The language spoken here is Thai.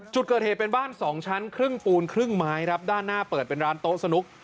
จุดเกิดเหตุเป็นบ้านสองชั้นครึ่งปูนครึ่งไม้ครับด้านหน้าเปิดเป็นร้านโต๊ะสนุก